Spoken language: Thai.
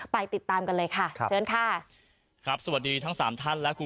ไปติดตามกันเลยค่ะเชิญค่ะครับสวัสดีทั้งสามท่านและครู